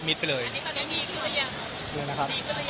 มีตัวอย่างนะครับ